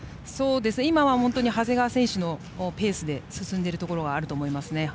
今は長谷川選手のペースで進んでいるところがあると思いますね。